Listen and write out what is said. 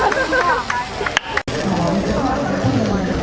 พระเจ้าข้าว